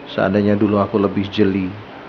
seandainya dulu aku lebih jeli